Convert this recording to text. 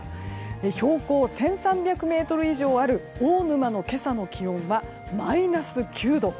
標高１３００ｍ以上ある大沼の今朝の気温はマイナス９度。